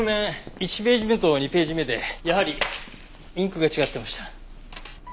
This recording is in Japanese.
１ページ目と２ページ目でやはりインクが違ってました。